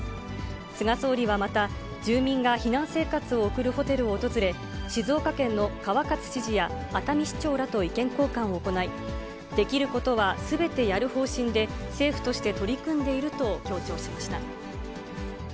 菅総理はまた、住民が避難生活を送るホテルを訪れ、静岡県の川勝知事や、熱海市長らと意見交換を行い、できることはすべてやる方針で、政府として取り組んでいると強調しました。